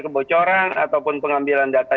kebocoran ataupun pengambilan data